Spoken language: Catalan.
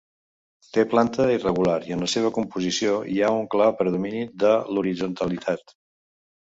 Té planta irregular i en la seva composició hi ha un clar predomini de l'horitzontalitat.